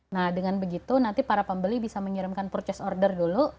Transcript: nah dengan begitu nanti para pembeli bisa mengirimkan purchase order dulu